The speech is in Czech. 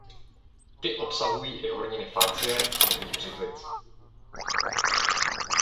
Ty obsahují i horniny facie modrých břidlic.